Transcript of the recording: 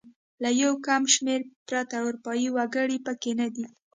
له یو کم شمېر پرته اروپايي وګړي پکې نه دي.